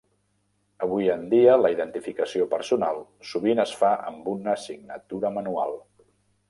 Avui en dia, la identificació personal sovint es fa amb una signatura manual.